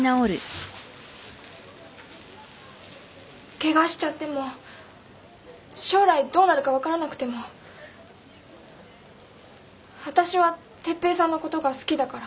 ケガしちゃっても将来どうなるか分からなくてもわたしは哲平さんのことが好きだから。